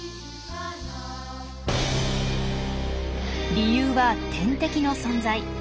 理由は天敵の存在。